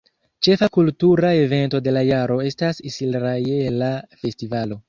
Ĉefa kultura evento de la jaro estas Israela festivalo.